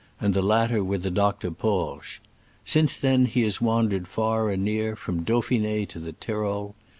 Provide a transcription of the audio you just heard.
and the latter with Dr. Porges. Since then he has wandered far and near, from Dauphine to the Tyrol.